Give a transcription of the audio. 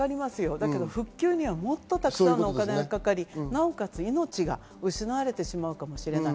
だけど復旧にはもっとたくさんのお金がかかり、なおかつ命が失われてしまうかもしれない。